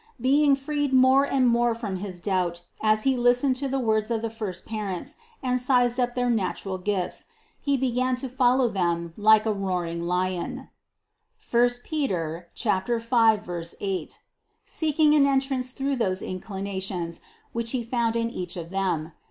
Being freed more and more from his doubt as he listened to the words of the first parents and sized up their natural gifts, he began to follow them like a roaring lion (I Pet. 5, 8), seeking an entrance through those inclinations, which he found in each of them.